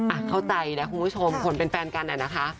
อ่ะเข้าใจนะคุณผู้ชมคนเป็นแฟนกันน่ะนะคะ